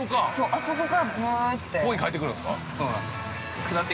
◆あそこから、ぶーんって。